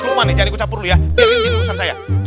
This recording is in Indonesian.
nenek boleh cium sopri sebanyak